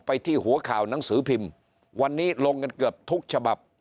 ที่หัวข่าวหนังสือพิมพ์วันนี้ลงกันเกือบทุกฉบับ